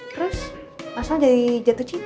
terus mas al jadi jatuh cinta